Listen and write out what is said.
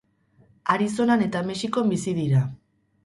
Arizonan eta Mexikon bizi dira.